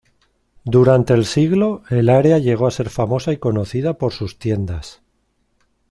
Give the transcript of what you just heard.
Durante el siglo el área llegó a ser famosa y conocida por sus tiendas.